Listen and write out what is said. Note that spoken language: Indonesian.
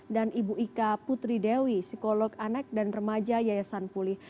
dan ibu ika putri dewi psikolog anak dan remaja yayasan pulih